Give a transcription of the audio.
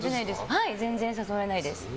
全然誘われないです。